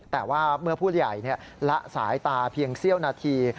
แต่ว่าเมื่อผู้ใหญ่ละสายตาเพียงเสี้ยวนาที